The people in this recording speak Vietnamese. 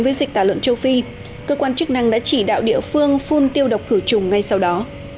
với dịch tả lợn châu phi cơ quan chức năng đã chỉ đạo địa phương phun tiêu độc khử trùng ngay sau đó